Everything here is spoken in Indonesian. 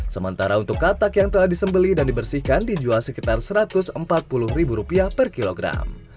sementara untuk katak yang telah disembeli dan dibersihkan dijual sekitar rp satu ratus empat puluh per kilogram